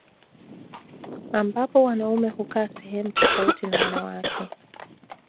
Ambapo wanaume hukaa sehemu tofauti na wanawake